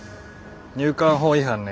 入管法違反ね。